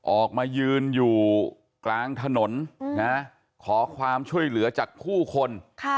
ออกมายืนอยู่กลางถนนนะขอความช่วยเหลือจากผู้คน